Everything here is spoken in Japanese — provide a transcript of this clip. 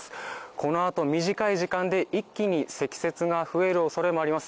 このあと短い時間で一気に積雪が増えるおそれもあります。